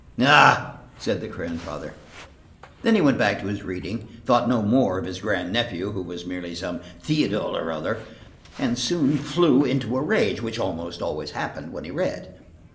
"Ah!" said the grandfather. Then he went back to his reading, thought no more of his grandnephew, who was merely some Théodule or other, and soon flew into a rage, which almost always happened when he read.